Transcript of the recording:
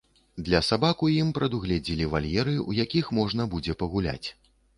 Для сабак у ім прадугледзелі вальеры, у якіх можна будзе пагуляць.